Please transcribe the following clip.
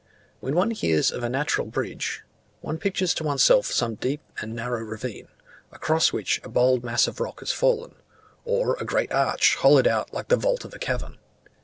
When one hears of a natural Bridge, one pictures to one's self some deep and narrow ravine, across which a bold mass of rock has fallen; or a great arch hollowed out like the vault of a cavern.